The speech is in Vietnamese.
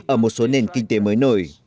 ở một số nền kinh tế mới nổi